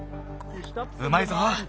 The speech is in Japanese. うまいぞ！